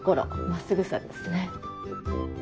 真っすぐさですね。